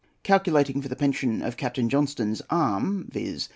Calculating for the pension of Captain Johnstone's arm, viz.